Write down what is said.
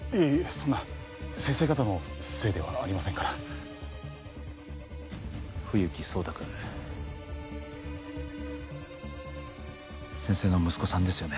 そんな先生方のせいではありませんから冬木壮太君先生の息子さんですよね？